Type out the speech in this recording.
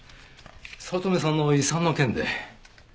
早乙女さんの遺産の件で。